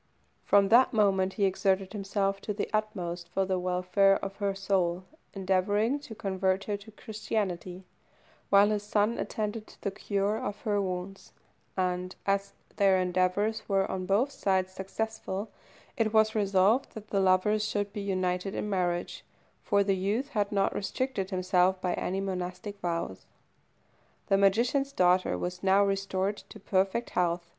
From that moment he exerted himself to the utmost for the welfare of her soul, endeavouring to convert her to Christianity, while his son attended to the cure of her wounds; and, as their endeavours were on both sides successful, it was resolved that the lovers should be united in marriage, for the youth had not restricted himself by any monastic vows. The magician's daughter was now restored to perfect health.